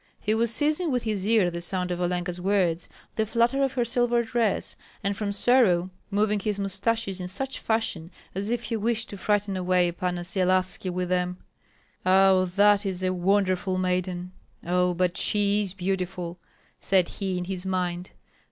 He was seizing with his ear the sound of Olenka's words, the flutter of her silver dress, and from sorrow moving his mustaches in such fashion as if he wished to frighten away Panna Syelavski with them. "Ah, that is a wonderful maiden! Ah, but she is beautiful!" said he, in his mind.